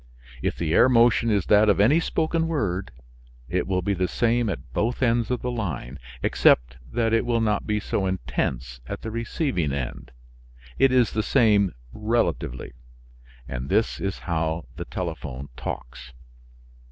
If the air motion is that of any spoken word it will be the same at both ends of the line, except that it will not be so intense at the receiving end; it is the same relatively. And this is how the telephone talks.